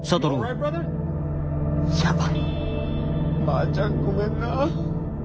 ばあちゃんごめんな。